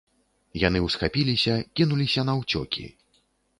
Яны ўсхапіліся, кінуліся наўцёкі.